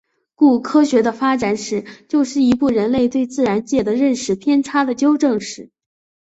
故科学的发展史就是一部人类对自然界的认识偏差的纠正史。